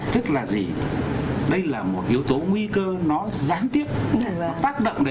tức là gì đây là một kiểu tố nguy cơ nó gián tiếp nó tác động đấy